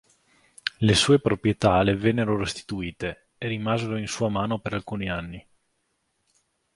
Le sue proprietà le vennero restituite, e rimasero in sua mano per alcuni anni.